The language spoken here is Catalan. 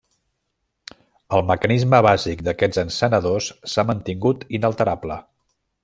El mecanisme bàsic d'aquests encenedors s'ha mantingut inalterable.